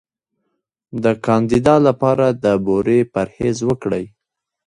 د کاندیدا لپاره د بورې پرهیز وکړئ